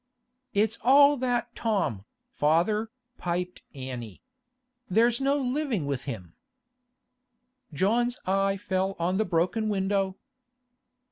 'It's all that Tom, father,' piped Annie. 'There's no living with him.' John's eye fell on the broken window.